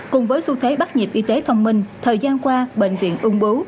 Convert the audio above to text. cùng với xu thế bắt nhịp y tế thông minh thời gian qua bệnh viện ung bú